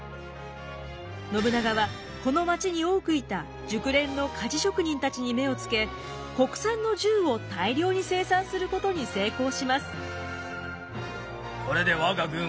信長はこの街に多くいた熟練の鍛冶職人たちに目をつけ国産の銃を大量に生産することに成功します。